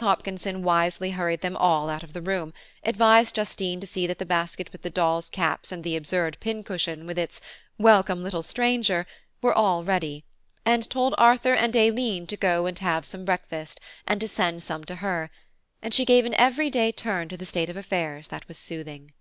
Hopkinson wisely hurried them all out of the room, advised Justine to see that the basket with the doll's caps, and the absurd pin cushion with its "Welcome, little stranger," were all ready; and told Arthur and Aileen to go and have some breakfast, and to send some to her; and she gave an every day turn to the state of affairs that was soothing.